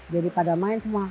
jadi pada main semua